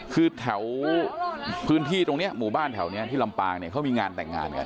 คือแถวพื้นที่ตรงนี้หมู่บ้านแถวนี้ที่ลำปางเนี่ยเขามีงานแต่งงานกัน